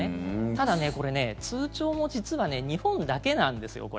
ただ、これ通帳も実は日本だけなんですよ。